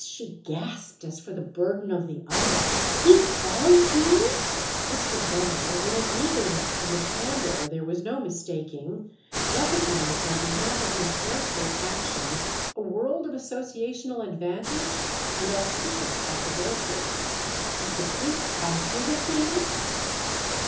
—she gasped as for the burden of the honour. "He follows you?" Mr. Bender, with an eagerness and a candour there was no mistaking, recognised on behalf of his ampler action a world of associational advantage and auspicious possibility. "Is the Prince after the thing?"